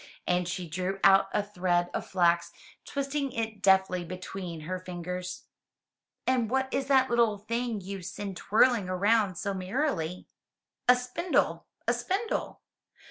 And she drew out a thread of flax, twisting it deftly between her fingers. "And what is that little thing you send twirling around so merrily?" "A spindle! A spindle!"